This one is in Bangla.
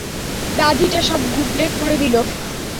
গাধীটা সব গুবলেট করে দিলো।